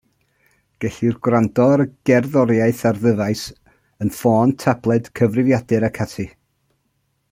Gellir gwrando ar y gerddoriaeth ar ddyfais, yn ffôn, tabled, cyfrifiadur ac ati.